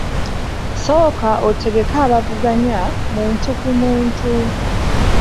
Sooka osengeke abavuganya muntu ku muntu.